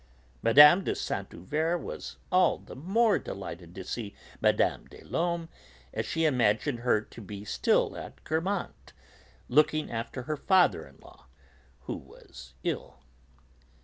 Mme. de Saint Euverte was all the more delighted to see Mme. des Laumes, as she imagined her to be still at Guermantes, looking after her father in law, who was ill.